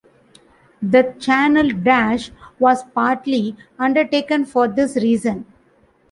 The Channel Dash was partly undertaken for this reason.